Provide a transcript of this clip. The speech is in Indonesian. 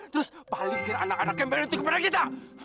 terus balikin anak anak yang berhenti kepada kita